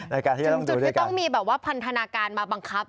ในการที่จะต้องดูด้วยกันจุดที่ต้องมีแบบว่าพันธนาการมาบังคับ